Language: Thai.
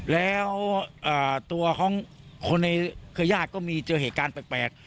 แล้วตัวของคนในเครือญาติก็มีเจอเหตุการณ์แปลก